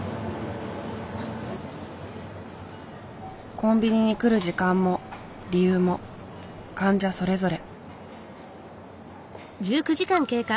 コンビニに来る時間も理由も患者それぞれ。